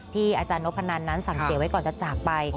อาจารย์นพนันนั้นสั่งเสียไว้ก่อนจะจากไป